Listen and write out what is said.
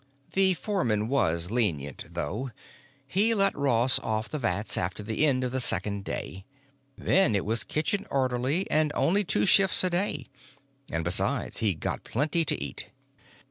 The foreman was lenient, though; he let Ross off the vats after the end of the second day. Then it was kitchen orderly, and only two shifts a day. And besides, you got plenty to eat.